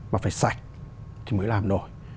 mà phải sạch thì mới làm nổi